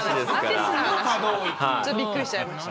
ちょっとびっくりしちゃいました。